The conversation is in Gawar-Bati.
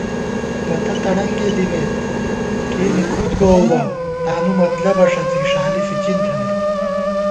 پتہ تڑنگے دِمېت کیَنی کھُد گوؤ بہ تانُو مطلَبہ ݭَڅی ݭالی فِچِن تھنَئیت